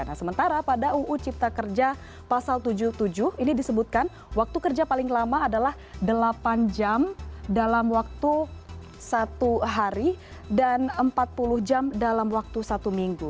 nah sementara pada uu cipta kerja pasal tujuh puluh tujuh ini disebutkan waktu kerja paling lama adalah delapan jam dalam waktu satu hari dan empat puluh jam dalam waktu satu minggu